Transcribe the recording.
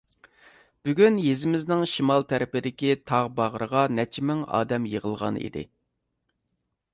بۈگۈن يېزىمىزنىڭ شىمال تەرىپىدىكى تاغ باغرىغا نەچچە مىڭ ئادەم يىغىلغان ئىدى.